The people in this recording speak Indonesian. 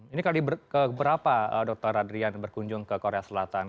ini kali keberapa dr adrian berkunjung ke korea selatan